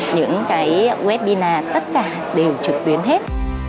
những cái webinar tất cả đều trực tuyến hết